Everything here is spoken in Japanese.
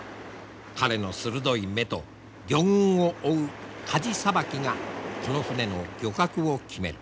彼の鋭い目と魚群を追うかじさばきがこの船の漁獲を決める。